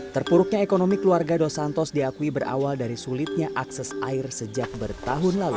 terpuruknya ekonomi keluarga dosantos diakui berawal dari sulitnya akses air sejak bertahun lalu